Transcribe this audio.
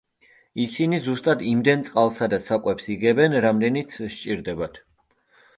ისინი ზუსტად იმდენ წყალსა და საკვებს იღებენ, რამდენიც სჭირდებათ.